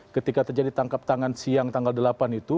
ketika terjadi tangkap tangan siang tanggal delapan itu